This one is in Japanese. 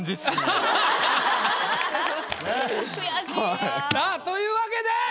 さあというわけで。